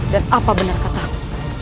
dan apa benar katamu